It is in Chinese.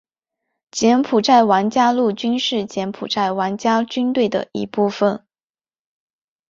柬埔寨王家陆军是柬埔寨王家军队的一部分。